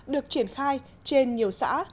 được triển khai trên nhiều xã